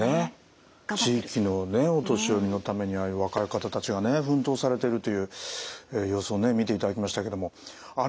地域のお年寄りのためにああいう若い方たちがね奮闘されてるという様子をね見ていただきましたけども。